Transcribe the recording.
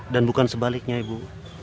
dan bukan sebaliknya ibu